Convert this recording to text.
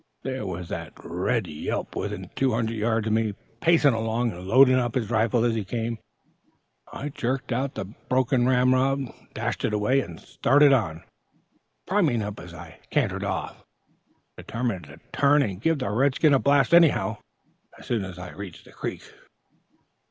There was the red whelp within two hundred yards of me, pacing along and loading up his rifle as he came! I jerked out the broken ramrod, dashed it away, and started on, priming up as I cantered off, determined to turn and give the red skin a blast, anyhow, as soon as I reached the creek.